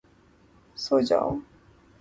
سو جاؤ!